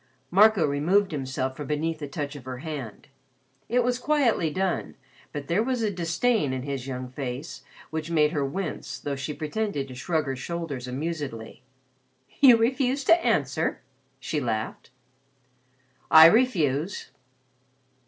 Marco removed himself from beneath the touch of her hand. It was quietly done, but there was a disdain in his young face which made her wince though she pretended to shrug her shoulders amusedly. "You refuse to answer?" she laughed. "I refuse."